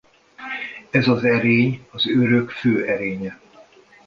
Ez az erény az őrök fő erénye.